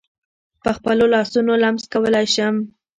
په خپلو لاسونو لمس کولای شم.